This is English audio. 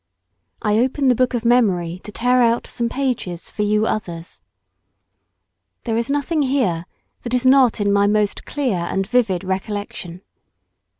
I open the book of memory to tear out some pages for you others. There is nothing here that is not in my most clear and vivid recollection.